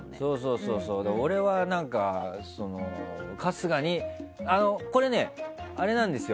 俺は、春日にこれはあれなんですよ。